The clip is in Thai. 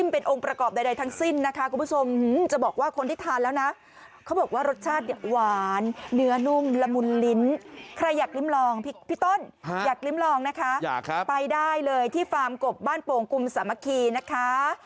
พี่ต้นอยากริ้มลองนะค่ะไปได้เลยที่ฟาร์มกบบ้านโป่งกุมสามัคคีนะคะ